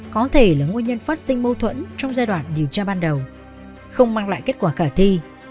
có thể là nguyên nhân phát sinh mâu thuẫn trong giai đoạn điều tra ban đầu không mang lại kết quả khả thi